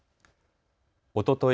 おととい